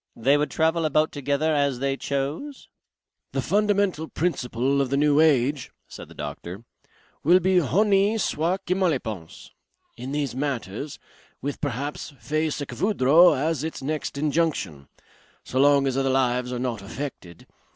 They would travel about together as they chose?" "The fundamental principle of the new age," said the doctor, "will be Honi soit qui mal y pense. In these matters. With perhaps Fay ce que vouldras as its next injunction. So long as other lives are not affected.